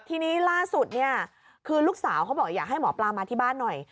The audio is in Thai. ทีนี้ล่าสุดเนี่ยคือลูกสาวเขาบอกอยากให้หมอปลามาที่บ้านหน่อย